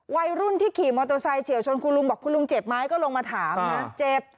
วัยรุ่นที่ขี่มอเตอร์ไซค์เฉียวชนคุณลุงบอกคุณลุงเจ็บไหมก็ลงมาถามนะเจ็บ